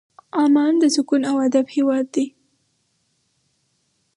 عمان د سکون او ادب هېواد دی.